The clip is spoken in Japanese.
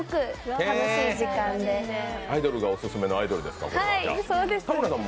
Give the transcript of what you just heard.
アイドルがオススメのアイドルですか。